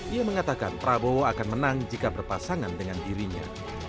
ia mengatakan prabowo akan menang jika berpasangan dengan dirinya